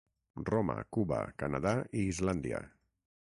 Roma, Cuba, Canadà i Islàndia.